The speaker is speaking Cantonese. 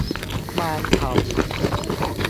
饅頭